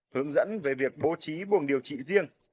hướng dẫn về việc bố trí buồng điều trị riêng